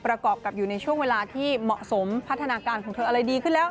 ประกอบกับอยู่ในช่วงเวลาที่เหมาะสมพัฒนาการของเธออะไรดีขึ้นแล้ว